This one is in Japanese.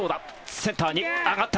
センターに上がった。